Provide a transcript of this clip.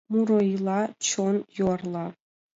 Муро ила Чон юарла.